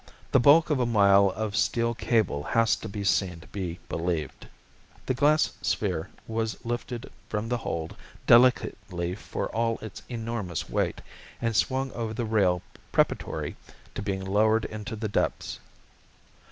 The bulk of a mile of steel cable has to be seen to be believed! The glass sphere was lifted from the hold, delicately for all its enormous weight, and swung over the rail preparatory to being lowered into the depths.